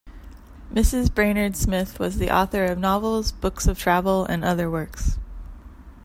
Mrs. Brainerd Smith was the author of novels, books of travel and other works.